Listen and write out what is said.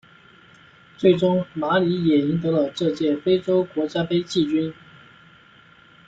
最终马里也赢得了这届非洲国家杯季军。